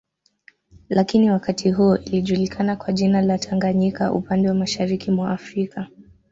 Lakini wakati huo ilijulikana kwa jina la Tanganyika upande wa Mashariki mwa Afrika